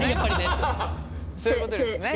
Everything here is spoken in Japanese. そういうことですよね